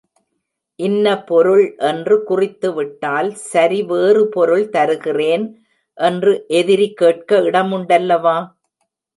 இன்ன பொருள் என்று குறித்துவிட்டால், சரி வேறு பொருள் தருகிறேன் என்று எதிரி கேட்க இடமுண்டல்லவா?